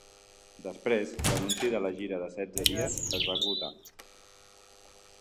Després l’anunci de la gira de setze dies, es va esgotar.